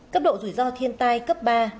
cấp độ rủi ro thiên tai cấp ba